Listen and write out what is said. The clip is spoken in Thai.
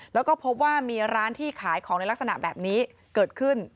แล้วก็พบว่ามีร้านที่ขายของในลักษณะแบบนี้เกิดขึ้น